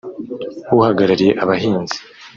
uhagarariye abahinzi